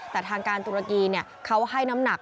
แต่ทางการตุรกีเขาให้น้ำหนัก